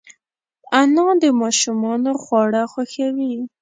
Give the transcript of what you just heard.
انا د ماشومانو خواړه خوښوي